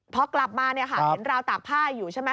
พอกลับมาเนี่ยค่ะเห็นราวตากผ้าอยู่ใช่ไหม